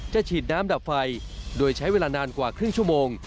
ฉีดน้ำดับไฟโดยใช้เวลานานกว่าครึ่งชั่วโมง